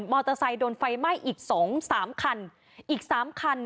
มอเตอร์ไซต์โดนไฟไหม้อีก๒๓คัน